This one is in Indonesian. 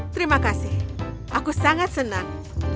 terima kasih aku sangat senang